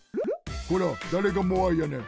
こらだれがモアイやねん！